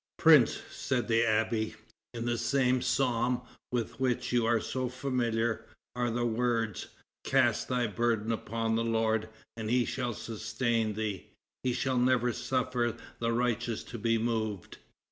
"Prince," said the abbé, "in the same Psalm with which you are so familiar, are the words, 'Cast thy burden upon the Lord, and he shall sustain thee. He shall never suffer the righteous to be moved.'"